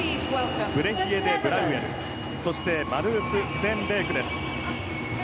ブレヒエ・デブラウエルそしてマルース・ステンベーク。